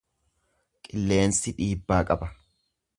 Qilleensi dhiibbaa qaba.